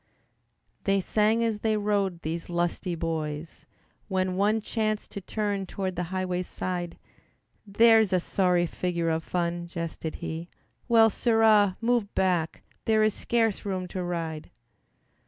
They sang as they rode, these lusty boys, When one chanced to turn toward the highway's side, "There's a sorry figure of fun," jested he, "Well, Sirrah! move back, there is scarce room to ride."